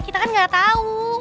kita kan gak tau